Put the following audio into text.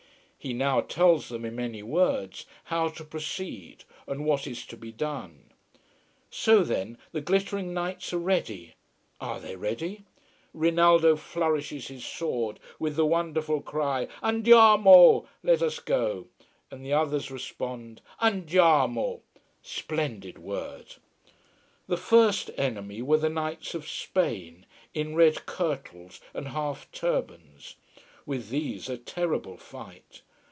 He now tells them, in many words, how to proceed and what is to be done. So then, the glittering knights are ready. Are they ready? Rinaldo flourishes his sword with the wonderful cry "Andiamo!" let us go and the others respond: "Andiamo". Splendid word. The first enemy were the knights of Spain, in red kirtles and half turbans. With these a terrible fight.